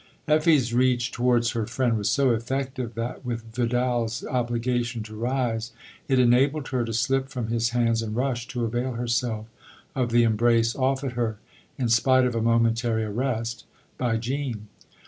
Effie's reach towards her friend was so effective that, with Vidal's obligation to rise, it enabled her to slip from his hands and rush to avail herself of the embrace offered her, in spite of a momentary arrest, by Jean.